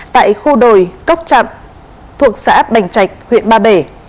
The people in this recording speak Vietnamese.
tại khu đồi cốc chạm thuộc xã bành trạch huyện ba bể